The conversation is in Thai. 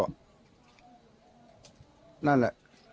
นี่แหละ